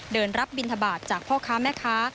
เดินรับบินทบาทจากพ่อค้าแม่ค้า